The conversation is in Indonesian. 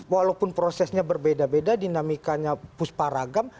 walaupun prosesnya berbeda beda dinamikanya pusparagam